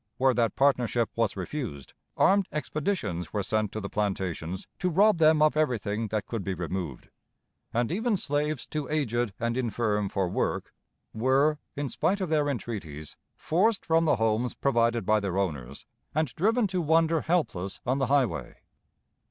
Where that partnership was refused, armed expeditions were sent to the plantations to rob them of everything that could be removed; and even slaves too aged and infirm for work were, in spite of their entreaties, forced from the homes provided by their owners, and driven to wander helpless on the highway.